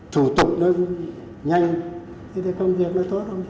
thủ tục nó nhanh thì công việc nó tốt không chứ